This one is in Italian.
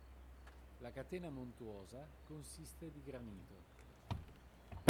La catena montuosa consiste di granito.